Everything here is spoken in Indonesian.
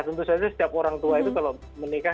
tentu saja setiap orang tua itu kalau menikah